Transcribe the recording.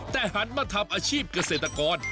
แต่หันมาทำอาชีพเกษตรกร